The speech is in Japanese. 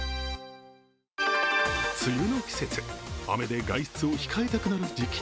梅雨の季節、雨で外出を控えたくなる時期。